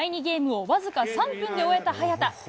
ゲームをわずか３分で終えた早田。